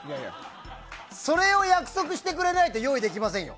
それを約束してくれないと用意できませんよ。